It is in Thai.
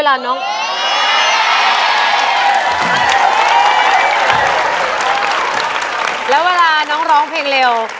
แล้วเวลาน้องร้องเพลงเร็ว